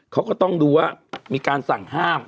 เขาก็ต้องดูว่ามีการสั่งห้าม